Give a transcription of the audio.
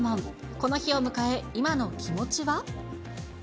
この日を迎え、今の気持ちは？